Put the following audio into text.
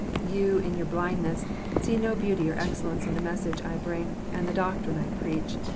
You, in your blindness, see no beauty or excellence in the message I bring, and the doctrine I preach.